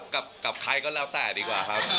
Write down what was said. กับใครก็แล้วแต่ดีกว่าครับ